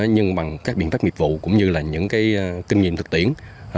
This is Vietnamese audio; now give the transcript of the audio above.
nhưng bằng các biện pháp nghiệp vụ cũng như là những kinh nghiệm thực tiễn